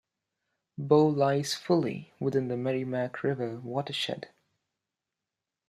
Bow lies fully within the Merrimack River watershed.